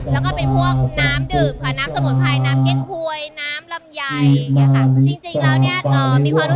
แล้วก็ปลูกฝังรุ่นต่อไปด้วยให้รู้จักการไฮบ้าง